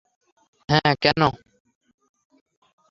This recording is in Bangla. হ্যাঁ, কেন?